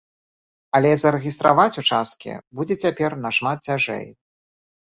Але зарэгістраваць участкі будзе цяпер нашмат цяжэй.